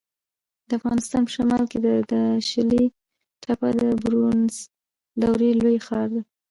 د افغانستان په شمال کې د داشلي تپه د برونزو دورې لوی ښار و